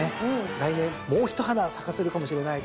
来年もう一花咲かせるかもしれないですね。